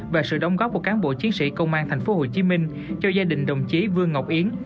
và sự đóng góp của cán bộ chiến sĩ công an tp hcm cho gia đình đồng chí vương ngọc yến